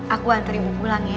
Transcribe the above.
aku antar ibu pulang ya